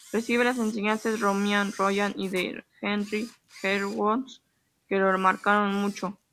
Recibe las enseñanzas de Romain Rolland y de Henri Bergson, que lo marcarán mucho.